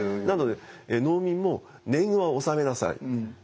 なので農民も年貢は納めなさい。